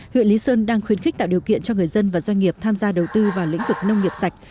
huyện lý sơn đang khuyến khích tạo điều kiện cho người dân và doanh nghiệp tham gia đầu tư vào lĩnh vực nông nghiệp sạch